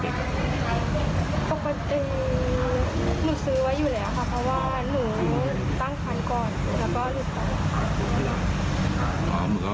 เพราะว่าหนูตั้งคันก่อนแล้วก็หยุดไป